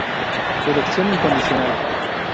Elección incondicional.